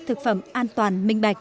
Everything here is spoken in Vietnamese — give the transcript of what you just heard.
thực phẩm an toàn minh bạch